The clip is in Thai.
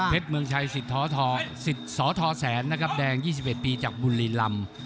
เพชรเมืองชัยศริษฐธอแสนนะครับแดง๒๑ปีจากบุรีลำ